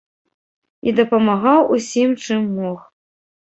І дапамагаў усім, чым мог.